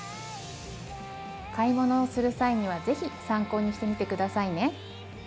買い物をする際にはぜひ参考にしてみてくださいね。